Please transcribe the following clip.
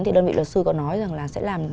thì đơn vị luật sư có nói rằng là sẽ làm